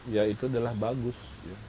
ya itu adalah bagus